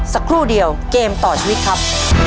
สักครู่เดียวเกมต่อชีวิตครับ